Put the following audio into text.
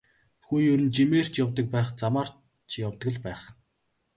Хүн ер нь жимээр ч явдаг байх, замаар ч явдаг л байх.